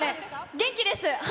元気です。